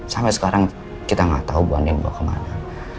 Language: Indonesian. sampai sekarang kita gak tahu mbak andin dibawa kemana